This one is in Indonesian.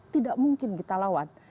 tidak mungkin kita lawan